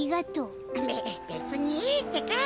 べべつにいいってか！